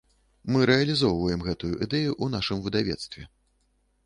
Мы рэалізоўваем гэтую ідэю ў нашым выдавецтве.